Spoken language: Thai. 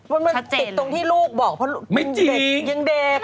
มันติดตรงที่ลูกบอกเพราะลูกเด็กยังเด็กไม่นั่นสิ